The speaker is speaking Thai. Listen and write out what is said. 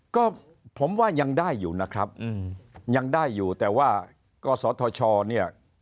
ก็ผมว่ายังได้อยู่นะครับยังได้อยู่แต่ว่ากศธชเนี่ย